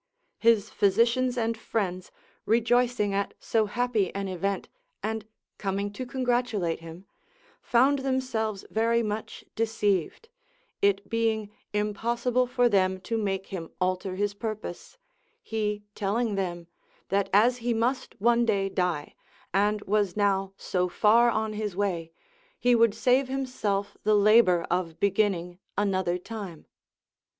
His physicians and friends, rejoicing at so happy an event, and coming to congratulate him, found themselves very much deceived, it being impossible for them to make him alter his purpose, he telling them, that as he must one day die, and was now so far on his way, he would save himself the labour of beginning another time.